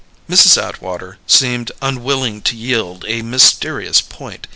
Mrs. Atwater seemed unwilling to yield a mysterious point.